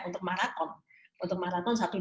untuk maraton untuk maraton